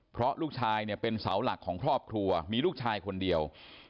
เพราะลูกชายเนี่ยเป็นเสาหลักของครอบครัวมีลูกชายคนเดียว